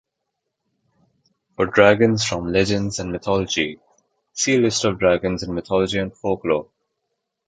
For dragons from legends and mythology, see List of dragons in mythology and folklore.